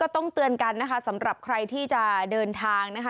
ต้องเตือนกันนะคะสำหรับใครที่จะเดินทางนะคะ